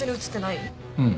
うん。